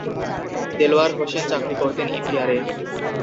দেলোয়ার হোসেন চাকরি করতেন ইপিআরে।